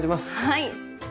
はい。